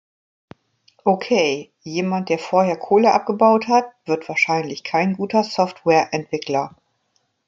Okay, jemand der vorher Kohle abgebaut hat, wird wahrscheinlich kein guter Softwareentwickler.